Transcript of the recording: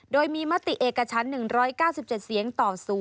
โดยมีมติเอกชั้น๑๙๗เสียงต่อ๐